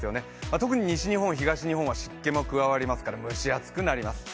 特に西日本、東日本は湿気も加わりますから蒸し暑くなります。